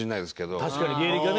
確かに芸歴がね。